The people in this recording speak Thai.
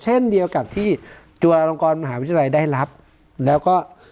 เช่นเดียวกับที่จุฬาลงกรมหาวิทยาลัยได้รับแล้วก็